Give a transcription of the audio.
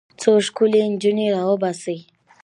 څو ښکلې نجونې راوباسي.